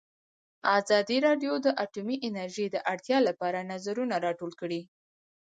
ازادي راډیو د اټومي انرژي د ارتقا لپاره نظرونه راټول کړي.